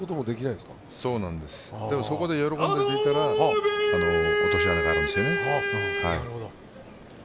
でも、そこで喜んだら落とし穴があるんですよね。